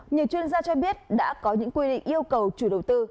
nhiều chuyên gia cho biết đã có những quy định yêu cầu chủ đầu tư